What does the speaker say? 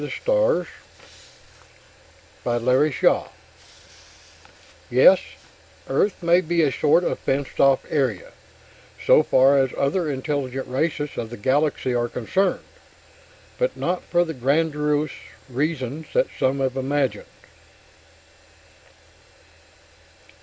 net ++| Yes, Earth may be a sort of fenced off area, || so far as other intelligent races of the || galaxy are concerned. But not for the || grandiose reasons that some have imagined....